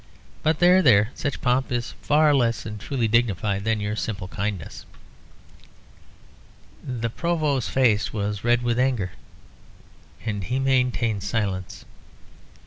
But there, there such pomp is far less truly dignified than your simple kindliness." The Provost's face was red with anger, and he maintained silence.